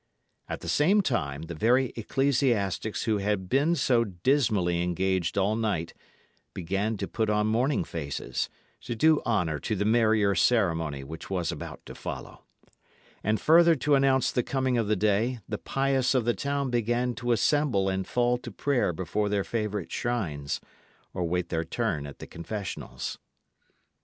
At the same time, the very ecclesiastics who had been so dismally engaged all night began to put on morning faces, to do honour to the merrier ceremony which was about to follow. And further to announce the coming of the day, the pious of the town began to assemble and fall to prayer before their favourite shrines, or wait their turn at the confessionals.